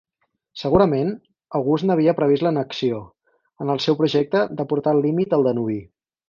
Segurament, August n'havia previst l'annexió, en el seu projecte de portar el límit al Danubi.